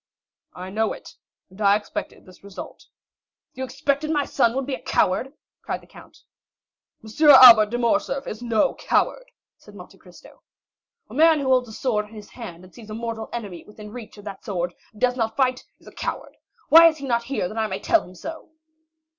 "I know it, and I expected this result." "You expected my son would be a coward?" cried the count. "M. Albert de Morcerf is no coward!" said Monte Cristo. "A man who holds a sword in his hand, and sees a mortal enemy within reach of that sword, and does not fight, is a coward! Why is he not here that I may tell him so?"